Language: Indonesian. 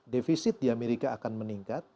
defisit di amerika akan meningkat